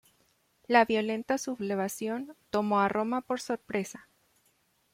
La violenta sublevación tomó a Roma por sorpresa.